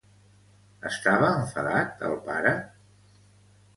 Estava enfadat el pare?